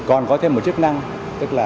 còn có thêm một chức năng tức là